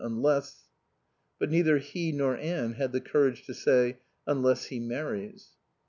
Unless " But neither he nor Anne had the courage to say "unless he marries."